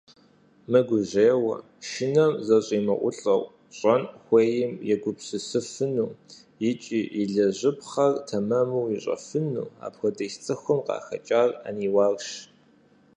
Мыгужьейуэ, шынэм зэщӀимыӀулӀэу, щӀэн хуейм егупсысыфыну икӀи илэжьыпхъэр тэмэму ищӀэфыну апхуэдиз цӀыхум къахэкӀар Ӏэниуарщ.